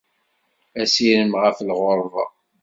Asirem ɣef lɣerba.